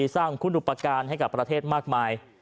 สร้างคุณอุปการณ์ให้กับประเทศมากมาย